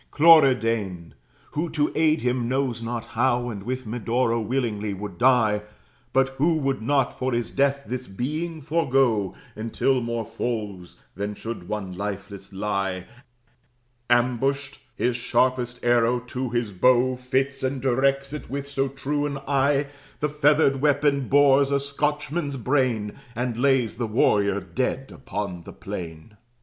Cloridane, who to aid him knows not how, And with Medoro willingly would die, But who would not for death this being forego, Until more foes than one should lifeless lie, Ambushed, his sharpest arrow to his bow Fits, and directs it with so true an eye, The feathered weapon bores a Scotchman's brain, And lays the warrior dead upon the plain.